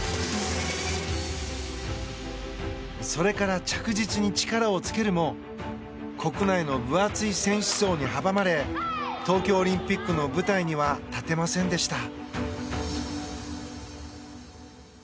それから着実に力をつけるも国内の分厚い選手層に阻まれ東京オリンピックの舞台には立てませんでした。